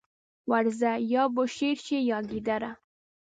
ورځه! يا به شېر شې يا ګيدړه.